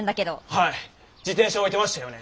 はい自転車置いてましたよね。